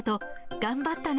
頑張ったね！